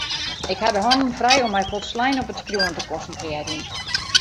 Ik ha de hannen frij om my folslein op it skriuwen te konsintrearjen.